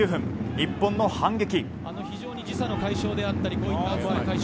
日本の反撃。